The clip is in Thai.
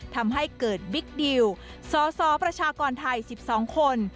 ทำให้เกิดบิ๊กดิวสสประชากรไทย๑๒คน